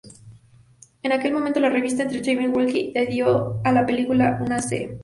En aquel momento, la revista "Entertainment Weekly" le dio a la película una C-.